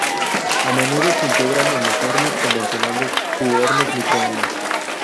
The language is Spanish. A menudo se integran en los hornos convencionales u hornos microondas.